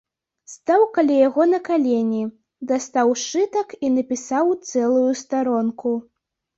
Стаў каля яго на калені, дастаў сшытак і напісаў цэлую старонку.